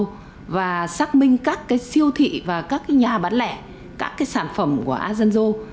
cũng như là xác minh các cái siêu thị và các cái nhà bán lẻ các cái sản phẩm của asanjo